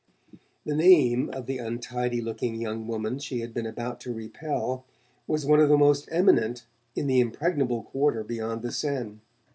The name of the untidy looking young woman she had been about to repel was one of the most eminent in the impregnable quarter beyond the Seine.